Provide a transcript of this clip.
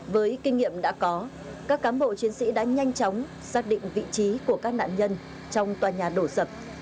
với kinh nghiệm đã có các cám bộ chiến sĩ đã nhanh chóng xác định vị trí của các nạn nhân trong tòa nhà đổ sập